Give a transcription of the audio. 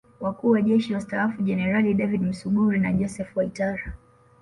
Wakuu wa Majeshi Wastaafu Jeneral David Msuguri na Joseph Waitara